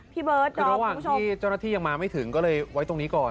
ระหว่างที่เจ้าหน้าที่ยังมาไม่ถึงก็เลยไว้ตรงนี้ก่อน